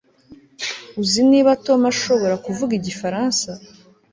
Uzi niba Tom ashobora kuvuga igifaransa